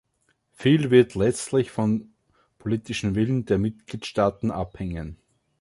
Viel wird letztlich vom politischen Willen der Mitgliedstaaten abhängen.